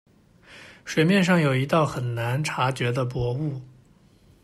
水面上有一道很难察觉的薄雾。